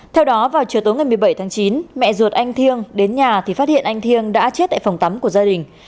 theo đó vào chiều tối ngày một mươi bảy tháng chín mẹ ruột anh thiêng đến nhà thì phát hiện anh thiêng đã chết tại phòng tắm của gia đình